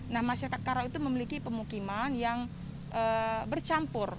nah masyarakat karau itu memiliki pemukiman yang bercampur